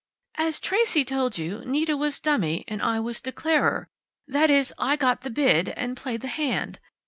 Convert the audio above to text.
"As Tracey told you, Nita was dummy, and I was declarer that is, I got the bid, and played the hand.